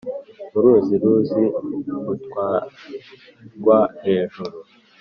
mu ruzi-ruzi, rutwarwa hejuru